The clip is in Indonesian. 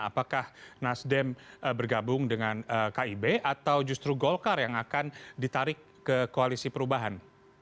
apakah nasdem bergabung dengan kib atau justru golkar yang akan ditarik ke koalisi perubahan